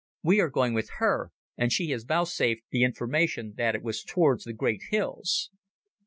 We are going with her, and she vouchsafed the information that it was towards the great hills."